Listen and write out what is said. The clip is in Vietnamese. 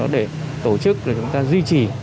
để tổ chức duy trì